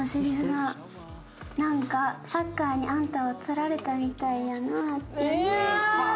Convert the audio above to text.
サッカーにあんたを取られたみたいやって。